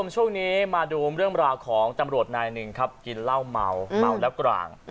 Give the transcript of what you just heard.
ช่วงนี้มาดูเรื่องราวของตำรวจนายหนึ่งครับกินเหล้าเมาเมาแล้วกลาง